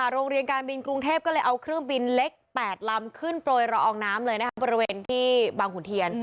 โรงเรียนการบินกรุงเทพก็เลยเอาเครื่องบินเล็ก๘ลำขึ้นโปรยละอองน้ำเลยนะคะบริเวณที่บางขุนเทียน